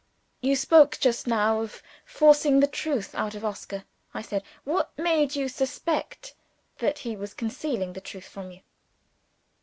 "You spoke just now of forcing the truth out of Oscar," I said, "What made you suspect that he was concealing the truth from you?"